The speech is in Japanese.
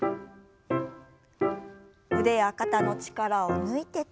腕や肩の力を抜いて。